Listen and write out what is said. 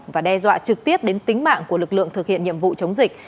và đe dọa trực tiếp đến tính mạng của lực lượng thực hiện nhiệm vụ chống dịch